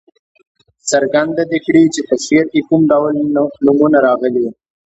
څرګنده دې کړي چې په شعر کې کوم ډول نومونه راغلي.